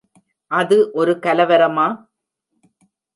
அது ஒரு கலவரமா?